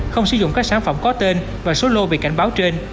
không sử dụng các sản phẩm có tên và số lô bị cảnh báo trên